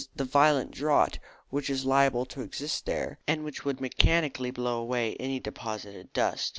the violent draught which is liable to exist there, and which would mechanically blow away any deposited dust.